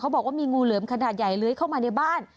บอกว่ามีงูเหลือมขนาดใหญ่เลื้อยเข้ามาในบ้าน